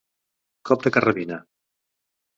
Cop de carrabina.